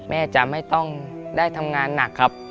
แม่จะไม่ต้องได้ทำงานหนักครับ